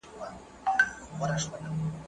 زه د ښوونځی لپاره امادګي نيولی دی؟